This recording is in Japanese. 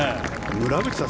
村口さん